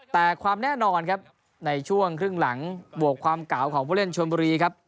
แต่ความแน่นอนครับในช่วงครึ่งหลังบวกความเก่าของผู้เล่นชนบุรีครับ